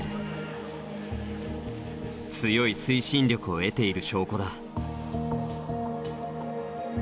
強い推進力を得ている証拠だ。